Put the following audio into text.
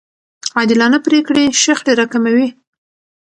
عادلانه پرېکړې شخړې راکموي.